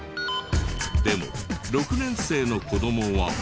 でも６年生の子供は。